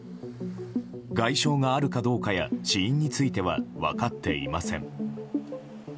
外傷があるかどうかや死因については分かっていません。